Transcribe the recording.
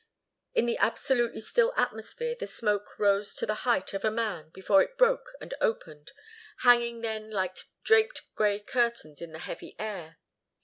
In the absolutely still atmosphere the smoke rose to the height of a man before it broke and opened, hanging then like draped grey curtains in the heavy air.